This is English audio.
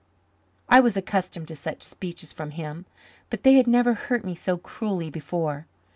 I was accustomed to such speeches from him, but they had never hurt me so cruelly before.